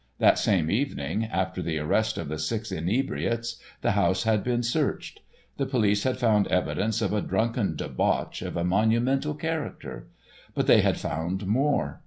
That same evening, after the arrest of the six inebriates, the house had been searched. The police had found evidences of a drunken debauch of a monumental character. But they had found more.